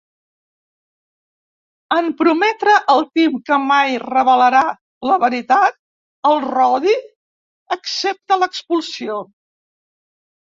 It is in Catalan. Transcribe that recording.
En prometre el Tim que mai revelarà la veritat, el Roddy accepta l'expulsió.